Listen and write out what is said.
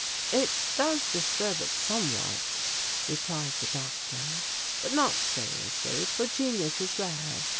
"It does disturb it somewhat," replied the doctor, "but not seriously, for genius is rare.